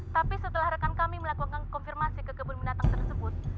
tapi setelah rekan kami melakukan konfirmasi ke kebun binatang tersebut